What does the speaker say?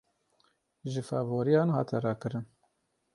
Ji favoriyan hate rakirin.